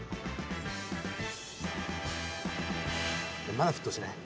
まだ沸騰しない？